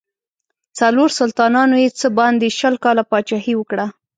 څلورو سلطانانو یې څه باندې شل کاله پاچهي وکړه.